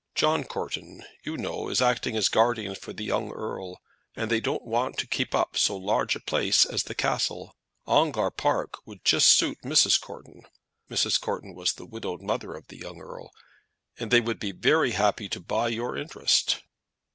John Courton, you know, is acting as guardian for the young earl, and they don't want to keep up so large a place as the Castle. Ongar Park would just suit Mrs. Courton," Mrs. Courton was the widowed mother of the young earl, "and they would be very happy to buy your interest."